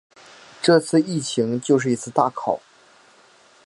这次疫情就是一次大考